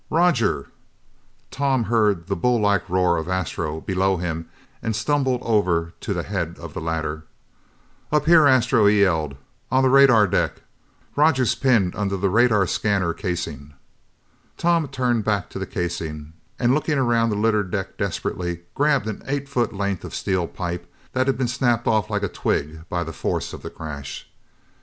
Roger!" Tom heard the bull like roar of Astro below him and stumbled over to the head of the ladder. "Up here, Astro," he yelled, "on the radar deck. Roger's pinned under the radar scanner casing!" Tom turned back to the casing, and looking around the littered deck desperately, grabbed an eight foot length of steel pipe that had been snapped off like a twig by the force of the crash.